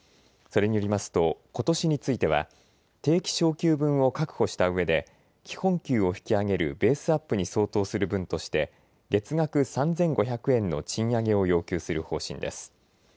それによりますと、ことしについては、定期昇給分を確保したうえで、基本給を引き上げるベースアップに相当する分として、月額３５００円の賃上げを要求する方針です。